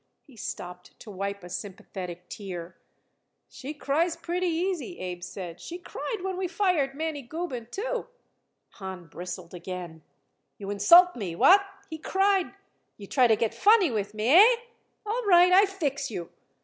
He stopped to wipe a sympathetic tear. "She cries pretty easy," Abe said. "She cried when we fired Mannie Gubin, too." Hahn bristled again. "You insult me. What?" he cried. "You try to get funny with me. Hey? All right. I fix you.